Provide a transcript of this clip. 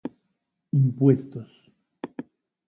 Impuestos